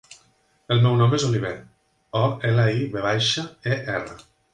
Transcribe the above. El meu nom és Oliver: o, ela, i, ve baixa, e, erra.